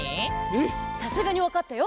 うんさすがにわかったよ！